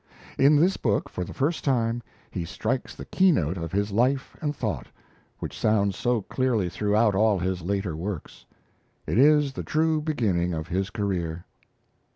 In this book, for the first time, he strikes the key note of his life and thought, which sounds so clearly throughout all his later works. It is the true beginning of his career.